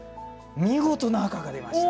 見事な赤が出ました。